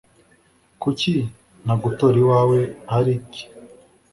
Kuki ntagutora iwawe harik